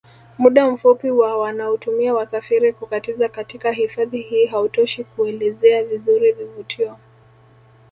Muda mfupi wa wanaotumia wasafiri kukatiza katika hifadhi hii hautoshi kuelezea vizuri vivutio